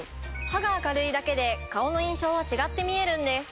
歯が明るいだけで顔の印象は違って見えるんです。